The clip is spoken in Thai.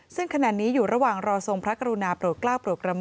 ซึ่งขณะนี้อยู่ระหว่างรอทรงพระกรุณาโปรดกล้าวโปรดกระหม